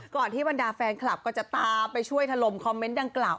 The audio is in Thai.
ก่อนที่วันดาว์แฟนคลับก็จะตาไปช่วยทะลมคอมเม้นต์ดังกล่าว